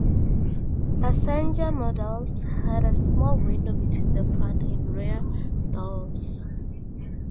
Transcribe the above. Passenger models had a small window between the front and rear doors.